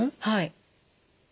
はい。